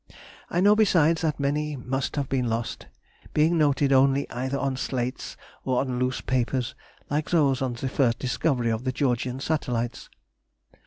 I know besides that many must have been lost, being noted only either on slates or on loose papers, like those on the first discovery of the Georgian Satellites.